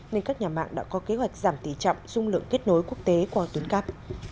nên các nhà mạng đã có kế hoạch giảm tỷ trọng dung lượng kết nối quốc tế qua tuyến cắp